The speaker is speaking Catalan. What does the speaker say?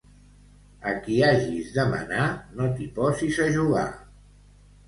A qui hagis de manar no t'hi posis a jugar.